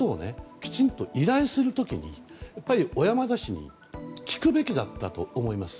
きちんと依頼する時にやっぱり小山田氏に聞くべきだったと思います。